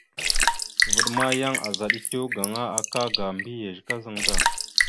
Vvaɗ ma yan azaɗ etew gaŋa aka ga mbiyez kazaŋ da.